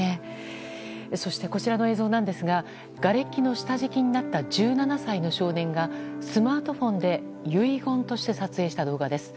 そして、こちらの映像ですががれきの下敷きになった１７歳の少年がスマートフォンで遺言として撮影した動画です。